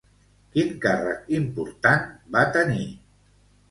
Quin càrrec important va tenir?